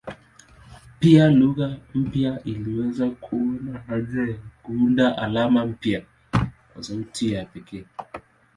Pia lugha mpya iliweza kuona haja ya kuunda alama mpya kwa sauti ya pekee.